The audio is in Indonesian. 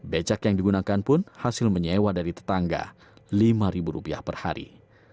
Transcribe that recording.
becak yang digunakan pun hasil menyewa dari tetangga lima rupiah per hari